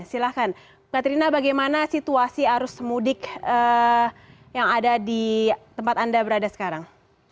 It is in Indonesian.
silahkan katrina bagaimana situasi arus mudik yang ada di tempat anda berada sekarang